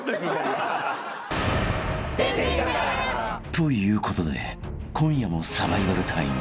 ［ということで今夜もサバイバルタイム］